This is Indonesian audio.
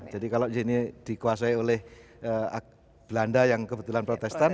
jadi kalau ini dikuasai oleh belanda yang kebetulan protestan